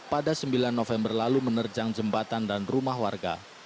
pada sembilan november lalu menerjang jembatan dan rumah warga